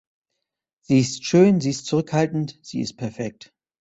Sie ist schön, sie ist zurückhaltend, sie ist perfekt.